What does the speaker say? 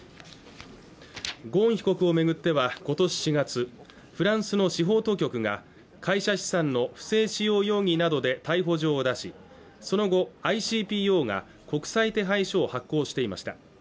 ゴーン被告をめぐっては今年４月フランスの司法当局が会社資産の不正使用容疑などで逮捕状を出しその後ＩＣＰＯが国際手配書を発行していました